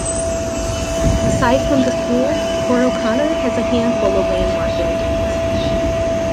Aside from the school, Port O'Connor has a handful of landmark buildings.